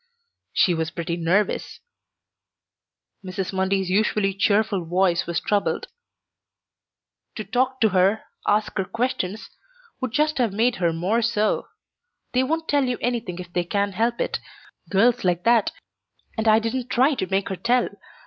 "She was pretty nervous." Mrs. Mundy's usually cheerful voice was troubled. "To talk to her, ask her questions, would just have made her more so. They won't tell you anything if they can help it girls like that and I didn't try to make her tell.